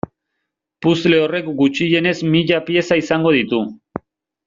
Puzzle horrek gutxienez mila pieza izango ditu.